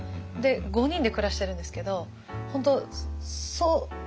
で５人で暮らしてるんですけど本当そう。